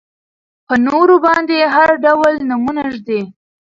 په نورو باندې هر ډول نومونه ږدي.